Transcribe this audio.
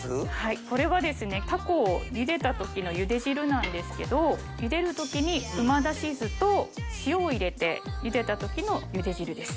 これはタコをゆでた時のゆで汁なんですけどゆでる時に旨だし酢と塩を入れてゆでた時のゆで汁です。